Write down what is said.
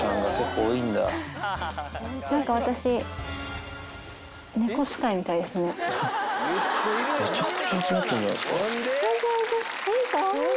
なんか私、めちゃくちゃ集まってるじゃおいで、おいで。